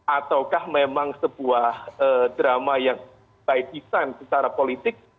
ataukah memang sebuah drama yang by design secara politik